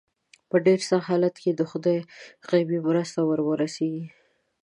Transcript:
په ډېر سخت حالت کې د خدای غیبي مرسته ور ورسېږي.